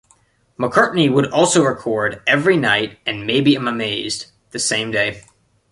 McCartney would also record "Every Night" and "Maybe I'm Amazed" the same day.